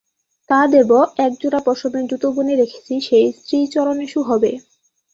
তা দেব– একজোড়া পশমের জুতো বুনে রেখেছি, সেই শ্রীচরণেষু হবে।